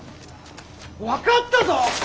分かったぞ！